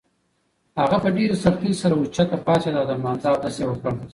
هغه په ډېرې سختۍ سره اوچته پاڅېده او د لمانځه اودس یې وکړ.